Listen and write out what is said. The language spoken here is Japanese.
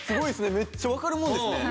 めっちゃわかるもんですね。